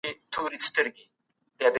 د ظلم په وړاندې بايد خلګ يو بل ته پناه يوسي.